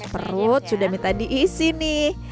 perut sudah minta diisi nih